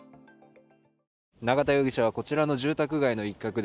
永田容疑者は、こちらの住宅街の一角で